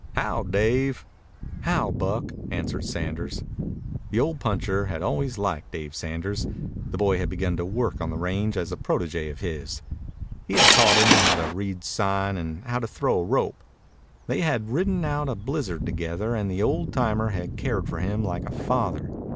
"How, Dave?" "How, Buck?" answered Sanders. The old puncher had always liked Dave Sanders. The boy had begun work on the range as a protégé of his. He had taught him how to read sign and how to throw a rope. They had ridden out a blizzard together, and the old timer had cared for him like a father.